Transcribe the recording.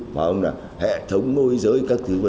hoặc là hệ thống môi giới các thứ v v